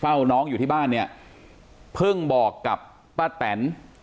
เฝ้าน้องอยู่ที่บ้านเนี่ยเพิ่งบอกกับป้าแตน